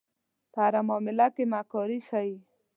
په هره معامله کې مکاري ښيي.